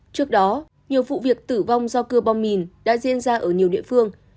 trước đó nhiều vụ việc tử vong do cưa bom mìn đã diễn ra ở nhiều địa phương